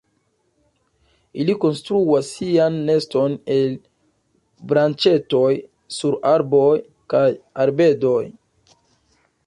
Ili konstruas sian neston el branĉetoj sur arboj kaj arbedoj.